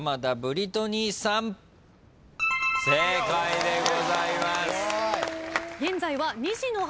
正解でございます。